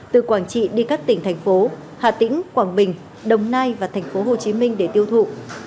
từ quảng trị đi các tỉnh thành phố hà tĩnh quảng bình đồng nai và thành phố hồ chí minh để tiêu thụ